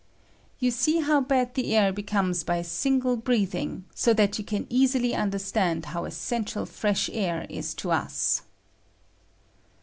You see how bad tho air becomes by a single breathing, BO that you can easily understand how essen tial fresh air is to us.